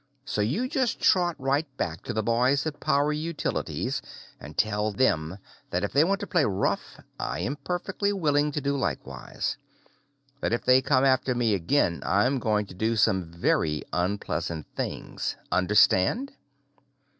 So you just trot right back to the boys at Power Utilities and tell them that if they want to play rough, I am perfectly willing to do likewise. That if they come after me again, I'm going to do some very unpleasant things. Understand?"